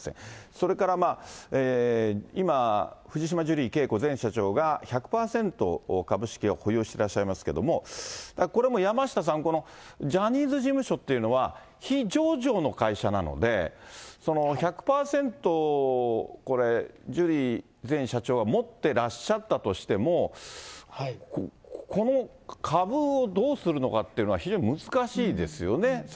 それから、今、藤島ジュリー景子前社長が、１００％株式を保有してらっしゃいますけれども、これも山下さん、ジャニーズ事務所っていうのは、非上場の会社なので、１００％、これ、ジュリー前社長が持ってらっしゃったとしても、この株をどうするのかっていうのは非常に難しいですよね。